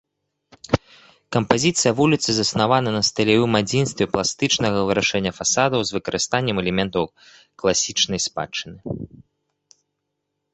Кампазіцыя вуліцы заснавана на стылявым адзінстве пластычнага вырашэння фасадаў з выкарыстаннем элементаў класічнай спадчыны.